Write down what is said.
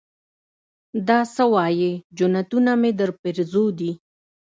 دا سه وايې جنتونه مې درپېرزو دي.